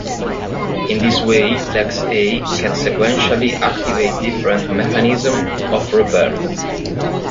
In this way LexA can sequentially activate different mechanisms of repair.